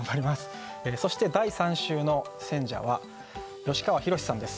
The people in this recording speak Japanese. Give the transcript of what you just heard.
そして第３週の選者は吉川宏志さんです。